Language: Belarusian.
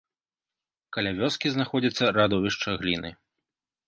Каля вёскі знаходзіцца радовішча гліны.